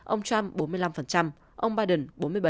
ông trump bốn mươi năm ông biden bốn mươi bảy